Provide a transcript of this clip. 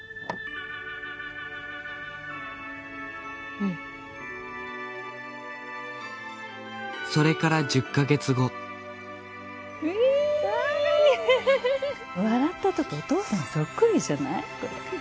うんそれから１０カ月後笑ったとこお父さんそっくりじゃない？